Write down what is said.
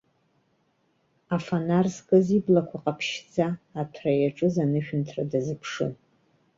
Афонар зкыз иблақәа ҟаԥшьшьӡа, аҭәра иаҿыз анышәынҭра дазыԥшын.